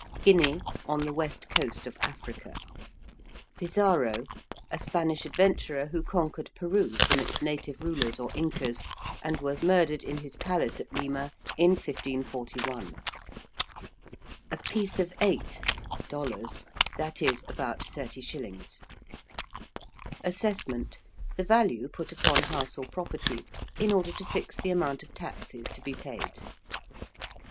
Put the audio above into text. ~Guinea~, on the west coast of Africa. ~Pizarro~: a Spanish adventurer who conquered Peru from its native rulers or Incas, and was murdered in his palace at Lima in 1541. ~a piece of eight~ (dollars), that is, about 30_s._ ~assessment~: the value put upon house or property in order to fix the amount of taxes to be paid.